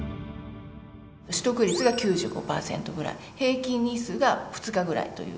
取得率が９５％ぐらい、平均日数が２日ぐらいという。